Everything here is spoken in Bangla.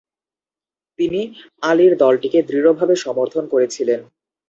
তিনি আলীর দলটিকে দৃঢ় ভাবে সমর্থন করেছিলেন।